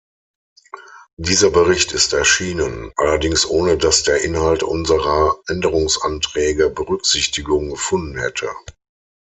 Dieser Bericht ist erschienen, allerdings ohne dass der Inhalt unserer Änderungsanträge Berücksichtigung gefunden hätte.